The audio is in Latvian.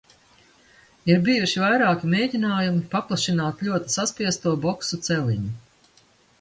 Ir bijuši vairāki mēģinājumi paplašināt ļoti saspiesto boksu celiņu.